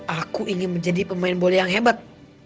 aku ingin menjadi pemain bola yang hebat